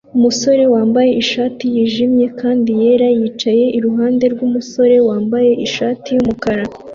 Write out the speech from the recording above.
Umusore wambaye ishati yijimye kandi yera yicaye iruhande rwumusore wambaye ishati yumukara